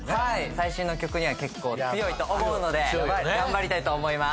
最新の曲には結構強いと思うので頑張りたいと思います。